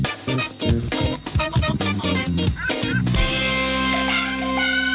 โอ้โฮดีแล้วดีแล้วพี่